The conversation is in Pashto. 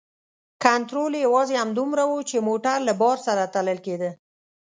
کنترول یې یوازې همدومره و چې موټر له بار سره تلل کیده.